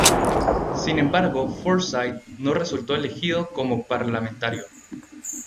Sin embargo, Forsyth no resultó elegido como parlamentario.